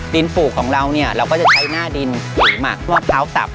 ดินปลูกของเราเนี่ยเราก็จะใช้หน้าดินผูมะมะพร้าวสับ